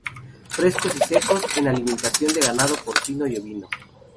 Frescos y secos en alimentación de ganado porcino y ovino.